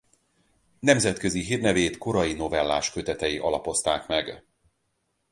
Nemzetközi hírnevét korai novelláskötetei alapozták meg.